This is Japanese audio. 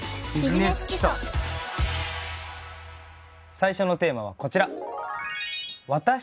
最初のテーマはこちら。